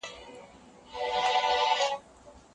آیا د مسمومیت نښې په ټولو کسانو کې یو شان دي؟